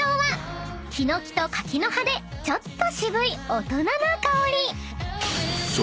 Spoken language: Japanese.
［ヒノキと柿の葉でちょっと渋い大人な香り］